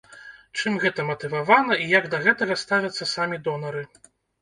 Чым гэта матывавана і як да гэтага ставяцца самі донары?